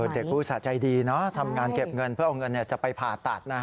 อุตส่าห์ใจดีทำงานเก็บเงินเพื่อเอาเงินจะไปผ่าตัด